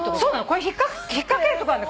これ引っ掛けるとこある。